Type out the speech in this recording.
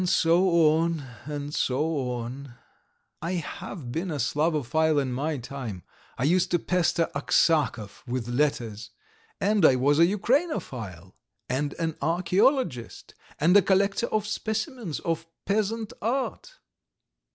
... And so on, and so on. ... I have been a Slavophile in my time, I used to pester Aksakov with letters, and I was a Ukrainophile, and an archæologist, and a collector of specimens of peasant art.